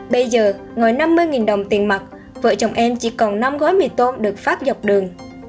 bây giờ ngoài năm mươi đồng tiền mặt vợ chồng em chỉ còn năm gói mì tôm được phát dọc đường